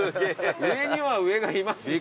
上には上がいますね。